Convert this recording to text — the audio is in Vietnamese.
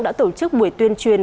đã tổ chức buổi tuyên truyền